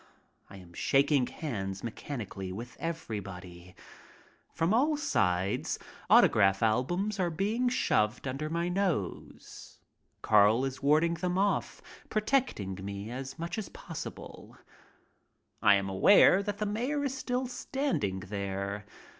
I am shaking hands mechanically with everybody. From all sides autograph albums are being shoved under my nose. Carl is warding them off, protecting me as much as possible. I am aware that the mayor is still standing there.